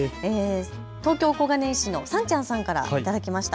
東京小金井市のサンちゃんさんから頂きました。